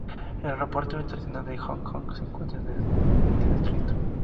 El Aeropuerto Internacional de Hong Kong se encuentra en este distrito.